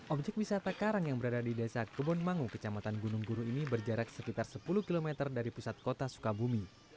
objek wisata karang yang berada di desa kebonmangu kecamatan gunung guru ini berjarak sekitar sepuluh km dari pusat kota sukabumi